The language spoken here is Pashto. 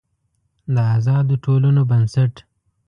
د آزادو ټولنو بنسټ